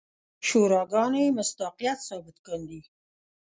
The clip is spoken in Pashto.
شوراګانې مصداقیت ثابت کاندي.